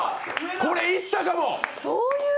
これ、いったかも！